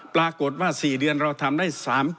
ปรากฏว่า๔เดือนเราทำได้๓๐